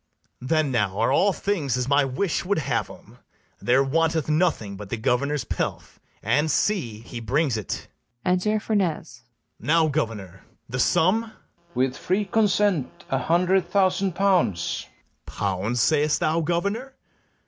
Then now are all things as my wish would have 'em; There wanteth nothing but the governor's pelf; And see, he brings it. Enter FERNEZE. Now, governor, the sum? FERNEZE. With free consent, a hundred thousand pounds. BARABAS. Pounds say'st thou, governor?